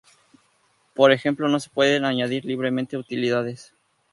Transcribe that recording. Por ejemplo, no se pueden añadir libremente utilidades.